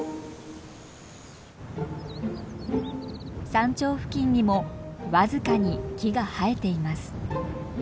山頂付近にも僅かに木が生えています。